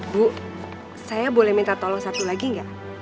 bu saya boleh minta tolong satu lagi nggak